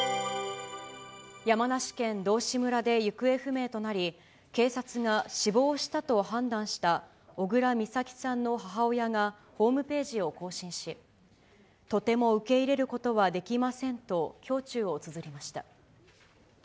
山梨県道志村で行方不明となり、警察が死亡したと判断した小倉美咲さんの母親が、ホームページを更新し、とても受け入れることはできませんと胸中をつづりました。